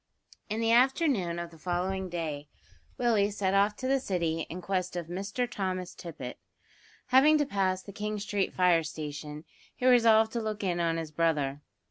A HIDDEN FIRE. In the afternoon of the following day Willie set off to the City in quest of Mr Thomas Tippet. Having to pass the King Street fire station, he resolved to look in on his brother.